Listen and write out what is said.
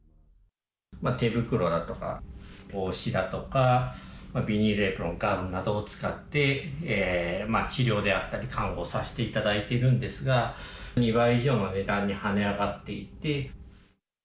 手袋だとか、帽子だとか、ビニールエプロン、ガウンなどを使って、治療であったり、看護させていただいているんですが、２倍以上の値段に跳ね上がっていて。